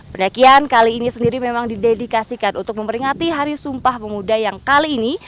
pendakian kali ini sendiri memang didedikasikan untuk memperingati hari sumpah pemuda yang kali ini